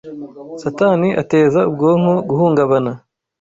Satani ateza ubwonko guhungabana,